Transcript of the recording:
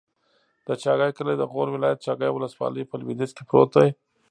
د چاګای کلی د غور ولایت، چاګای ولسوالي په لویدیځ کې پروت دی.